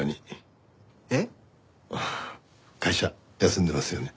えっ？会社休んでますよね。